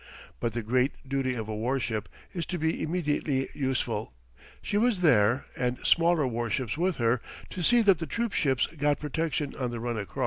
But the great duty of a war ship is to be immediately useful. She was there, and smaller war ships with her, to see that the troop ships got protection on the run across.